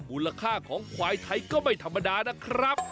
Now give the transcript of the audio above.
มูลค่าของควายไทยก็ไม่ธรรมดานะครับ